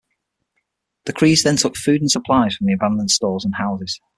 The Crees then took food and supplies from the abandoned stores and houses.